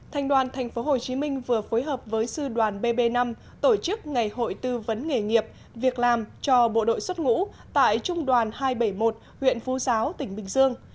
thành đoàn tp hcm vừa phối hợp với sư đoàn bb năm tổ chức ngày hội tư vấn nghề nghiệp việc làm cho bộ đội xuất ngũ tại trung đoàn hai trăm bảy mươi một huyện phú giáo tỉnh bình dương